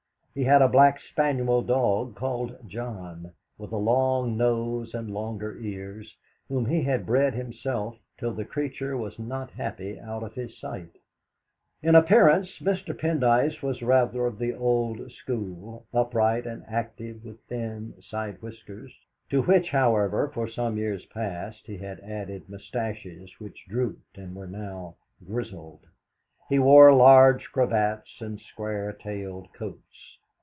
He had a black spaniel dog called John, with a long nose and longer ears, whom he had bred himself till the creature was not happy out of his sight. In appearance Mr. Pendyce was rather of the old school, upright and active, with thin side whiskers, to which, however, for some years past he had added moustaches which drooped and were now grizzled. He wore large cravats and square tailed coats.